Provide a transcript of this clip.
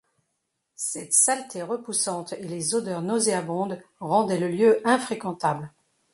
Cette saleté repoussante et les odeurs nauséabondes rendaient le lieu infréquentable.